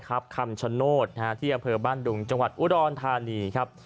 ครับคำชะโนตที่อาบบ้านดุงจังหวัดอุดรณฑานีครับ